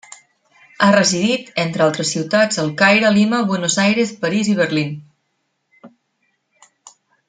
Ha residit, entre altres ciutats, al Caire, Lima, Buenos Aires, París i Berlín.